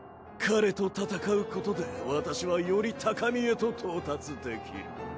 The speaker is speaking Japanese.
彼と戦うことで私はより高みへと到達できる。